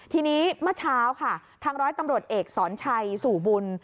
ทีนี้เมื่อเช้าค่ะทางร้อยตำรวจเอกสอนชัยสู่บุญ